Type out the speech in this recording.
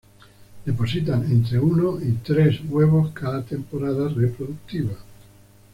Depositan entre uno y tres huevos cada temporada reproductiva.